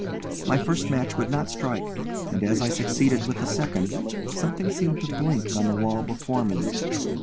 My first match would not strike, and as I succeeded with the second, something seemed to blink on the wall before me.